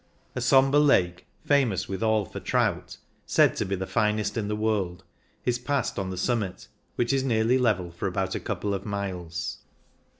A sombre lake, famous withal for trout, said to be the finest in the world, is passed on the summit, which is nearly level for about a couple of miles.